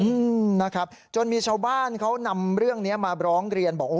อืมนะครับจนมีชาวบ้านเขานำเรื่องเนี้ยมาร้องเรียนบอกโอ้